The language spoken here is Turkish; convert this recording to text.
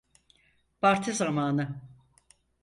Parti zamanı!